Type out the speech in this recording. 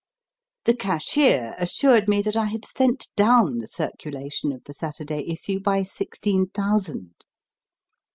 The cashier assured me that I had sent down the circulation of the Saturday issue by sixteen thousand.